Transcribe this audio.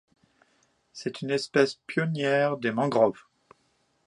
C'est une espèce pionnière des mangroves.